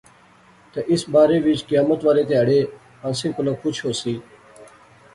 تہ اس بارے وچ قیامت والے تہاڑے آنسیں کولا پچھ ہوسی